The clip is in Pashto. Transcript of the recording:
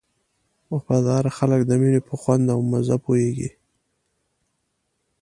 وفاداره خلک د مینې په خوند او مزه پوهېږي.